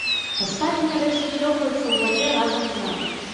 Астатнія рэчы плёхаюцца ў вадзе разам з намі.